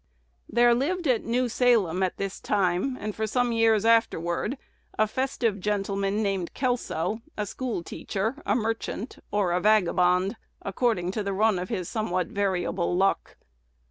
There lived at New Salem at this time, and for some years afterward, a festive gentleman named Kelso, a school teacher, a merchant, or a vagabond, according to the run of his somewhat variable "luck."